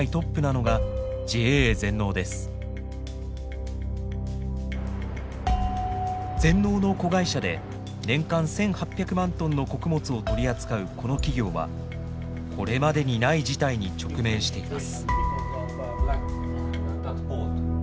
全農の子会社で年間１，８００万トンの穀物を取り扱うこの企業はこれまでにない事態に直面しています。